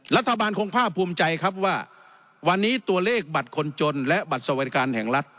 รัฐบาลคงภาคภูมิใจครับว่าวันนี้ตัวเลขบัตรคนจนและบัตรสวัสดิการแห่งรัฐ